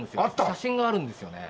写真があるんですよね。